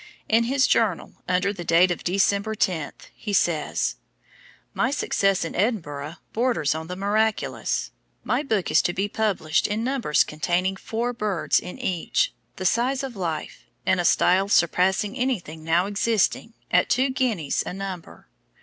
In his journal under date of December 10, he says: "My success in Edinburgh borders on the miraculous. My book is to be published in numbers containing four [in another place he says five] birds in each, the size of life, in a style surpassing anything now existing, at two guineas a number.